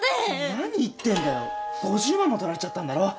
何言ってんだよ５０万も取られちゃったんだろ？